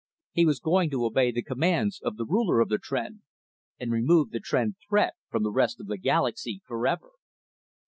He was going to obey the commands of the Ruler of the Tr'en and remove the Tr'en threat from the rest of the galaxy forever.